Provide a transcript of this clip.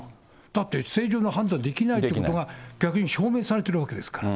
だって正常な判断できないということが、逆に証明されているわけですから。